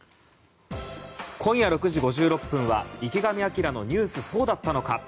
今夜６時５６分は「池上彰のニュースそうだったのか！！」。